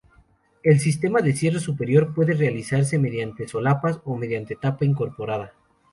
El sistema de cierre superior puede realizarse mediante solapas o mediante tapa incorporada.